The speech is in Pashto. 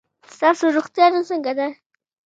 ستاسو روغتیا نن څنګه ده؟